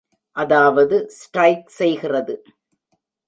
அதாவது ஸ்டிரைக் செய்கிறது.